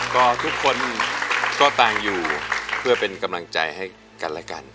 ก็ทุกคนก็ต่างอยู่เพื่อเป็นกำลังใจให้กันและกัน